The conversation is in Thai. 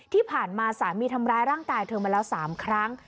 ที่ผ่านมาสามีทำร้ายร่างกายเธอมาแล้ว๓ครั้ง